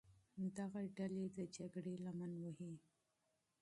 دغه ډلې د جګړې لمن وهي.